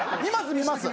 見ます？